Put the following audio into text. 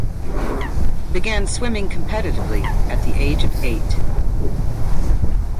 He began swimming competitively at the age of eight.